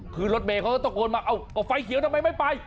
คือรถเมย์เขาก็ตะโกนมาเอาไฟเขียวทำไมไม่ไป